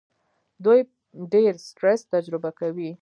دوی ډېر سټرس تجربه کوي.